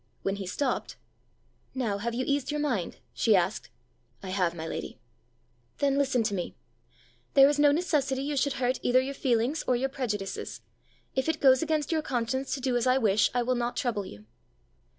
When he stopped, "Now have you eased your mind?" she asked. "I have, my lady." "Then listen to me. There is no necessity you should hurt either your feelings or your prejudices. If it goes against your conscience to do as I wish, I will not trouble you."